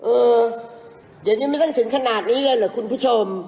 เอออย่างนี้ไม่ต้องถึงขนาดนี้เลยเหรอคุณผู้ชม